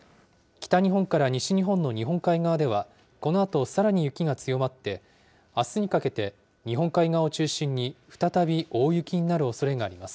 北日本から西日本の日本海側では、このあと、さらに雪が強まって、あすにかけて日本海側を中心に再び大雪になるおそれがあります。